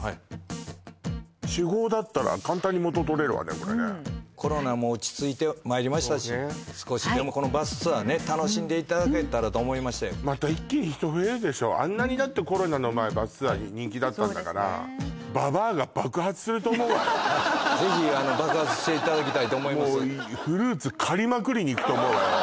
これねコロナも落ち着いてまいりましたし少しでもこのバスツアーね楽しんでいただけたらと思いましてまた一気に人増えるでしょうあんなにだってコロナの前バスツアー人気だったんだからそうですねはいぜひあの爆発していただきたいと思いますと思うわよ